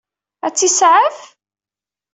Ad t-isaɛef?